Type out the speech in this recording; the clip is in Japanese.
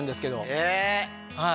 え！